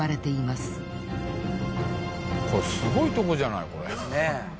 すごいとこじゃないこれ。